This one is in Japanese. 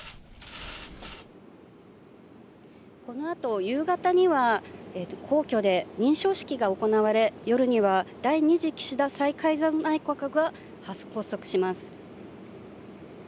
このあと夕方には皇居で認証式が行われ、夜には第２次岸田再改造内閣が発足します。